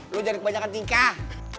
lo jangan kebanyakan nikah